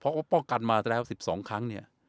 เพราะป้องกันมาละ๑๒ครั้ง